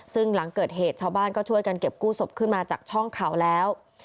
ซึ่งหลังเกิดเหตุชาวบ้านก็ช่วยกันเก็บกู้ศพขึ้นมาจากช่องเขาแล้ว